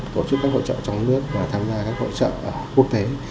tổ chức các hội trợ trong nước và tham gia các hội trợ ở quốc tế